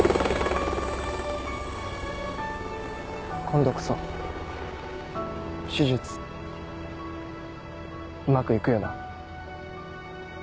今度こそ手術うまく行くよな？